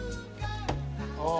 ああ。